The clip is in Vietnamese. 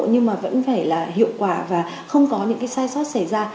nhưng mà vẫn phải là hiệu quả và không có những cái sai sót xảy ra